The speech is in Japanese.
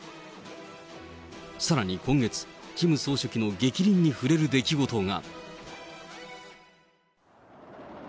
さらに今月、キム総書記の逆鱗に触れる出来事が。